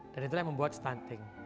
itulah yang membuat stunting